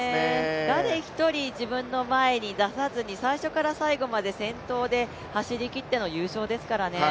誰１人自分の前に出さずに、最初から最後まで先頭で走りきっての優勝ですからね。